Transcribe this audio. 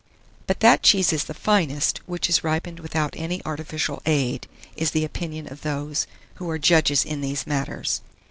But that cheese is the finest which is ripened without any artificial aid, is the opinion of those who are judges in these matters.